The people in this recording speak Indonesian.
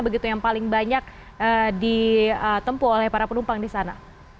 begitu yang paling banyak ditempu oleh para penumpang di sana